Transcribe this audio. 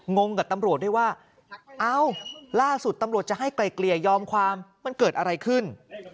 งงกับตำรวจด้วยว่าเอ้าล่าสุดตำรวจจะให้ไกลเกลี่ยยอมความมันเกิดอะไรขึ้น